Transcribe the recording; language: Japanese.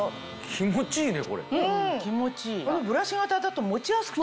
気持ちいいねこれ。